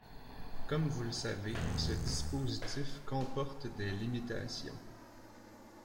Comme vous le savez, ce dispositif comporte des limitations.